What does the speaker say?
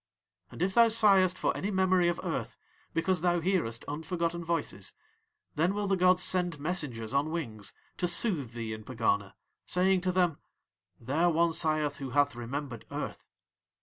And if thou sighest for any memory of earth because thou hearest unforgotten voices, then will the gods send messengers on wings to soothe thee in Pegana, saying to them: "There one sigheth who hath remembered Earth."